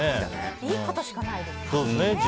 いいことしかないですよね。